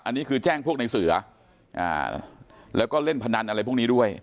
อันนี้คือแจ้งพวกในเสือแล้วก็เล่นพนันอะไรพวกนี้ด้วย